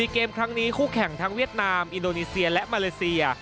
เกมครั้งนี้คู่แข่งทั้งเวียดนามอินโดนีเซียและมาเลเซีย